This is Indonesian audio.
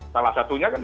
salah satunya kan